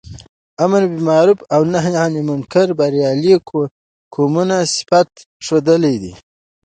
امر باالمعروف او نهي عنالمنکر د برياليو قومونو صفات ښودلي دي.